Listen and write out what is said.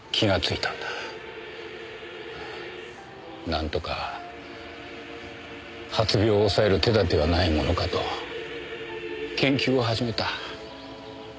なんとか発病を抑える手立てはないものかと研究を始めた。